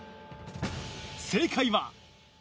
正解は。